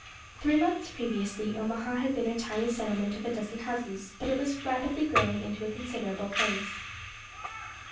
Three months previously Omaha had been a tiny settlement of a dozen houses, but was rapidly growing into a considerable place.